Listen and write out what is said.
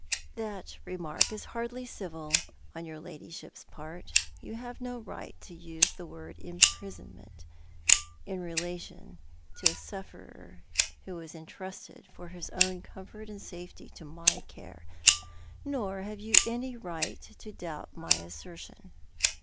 " That remark is hardly civil on your ladyship's part. You have no right to use the word imprisonment in relation to a 242 Thou art the JMcni. sufferer ■wlio was entrusted, for his own comfort and safety, to my care — nor have you any right to doubt my assertion."